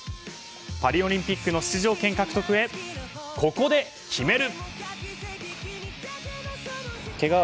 パリオリンピックの出場権獲得へココで、決める。